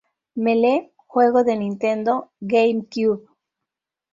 Melee", juego de Nintendo Gamecube.